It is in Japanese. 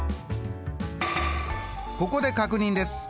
ここで確認です。